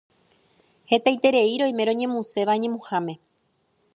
Hetaiterei roime roñemuséva ñemuháme